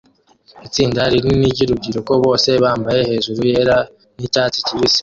itsinda rinini ryurubyiruko bose bambaye hejuru yera nicyatsi kibisi